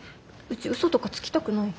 うちウソとかつきたくない。